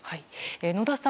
野田さん